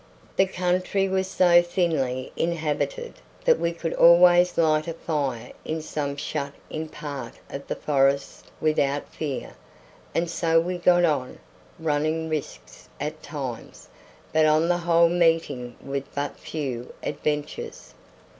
The country was so thinly inhabited that we could always light a fire in some shut in part of the forest without fear, and so we got on, running risks at times, but on the whole meeting with but few adventures.